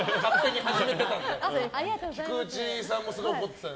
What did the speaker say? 菊地さんもすごい怒ってたね。